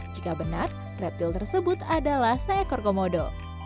jika benar reptil tersebut adalah seekor komodo